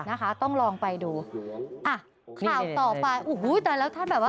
นะคะต้องลองไปดูอ่ะข่าวต่อไปโอ้โหตายแล้วท่านแบบว่า